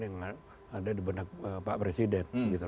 yang ada di benak pak presiden gitu